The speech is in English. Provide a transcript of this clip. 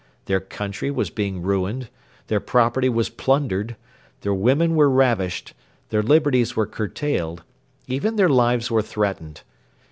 Their country was being ruined; their property was plundered; their women were ravished; their liberties were curtailed; even their lives were threatened.